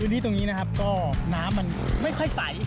ที่ตรงนี้นะครับก็น้ำมันไม่ค่อยใส